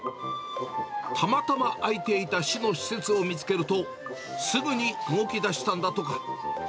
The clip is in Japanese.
たまたま空いていた市の施設を見つけると、すぐに動きだしたんだとか。